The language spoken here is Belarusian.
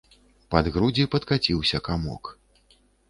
Пад грудзі падкаціўся камок.